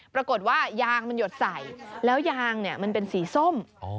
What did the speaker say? ปรากฏว่ายางมันหยดใส่แล้วยางเนี่ยมันเป็นสีส้ม